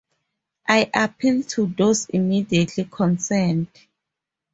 I appeal to those immediately concerned.